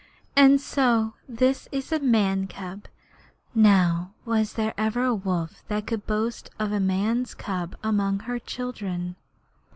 And so this is a man's cub. Now, was there ever a wolf that could boast of a man's cub among her children?'